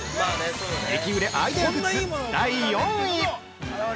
◆激売れアイデアグッズ第４位！